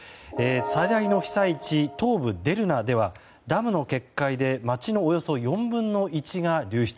最大の被災地、東部デルナではダムの決壊で街のおよそ４分の１が流出。